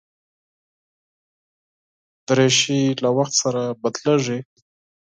دریشي له وخت سره بدلېږي.